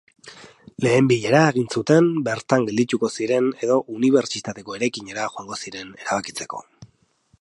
Lehen bilera egin zuten bertan geldituko ziren edo unibertsitateko eraikinera joango ziren erabakitzeko.